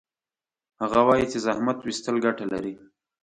هغه وایي چې زحمت ویستل ګټه لري